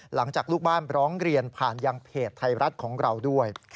หลังจากลูกบ้านร้องเรียนผ่านยังเพจไทยรัฐของเราด้วย